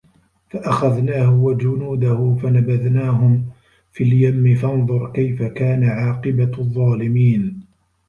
فَأَخَذناهُ وَجُنودَهُ فَنَبَذناهُم فِي اليَمِّ فَانظُر كَيفَ كانَ عاقِبَةُ الظّالِمينَ